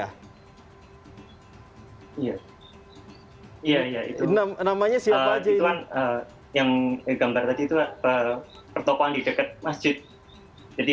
oh iya iya iya itu namanya siapa aja itu an yang gambar tadi itu apa pertopong di dekat masjid jadi